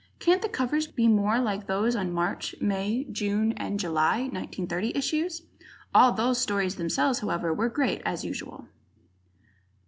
Can't the covers be more like those on the March, May, June and July, 1930, issues? (All those stories themselves, however, were great, as usual.)